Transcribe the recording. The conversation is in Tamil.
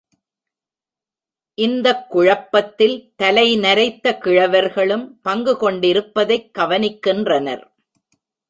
இந்தக் குழப்பத்தில் தலை நரைத்த கிழவர்களும் பங்குகொண்டிருப்பதைக் கவனிக்கின்றனர்.